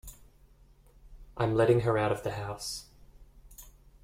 I'm letting her out of the house.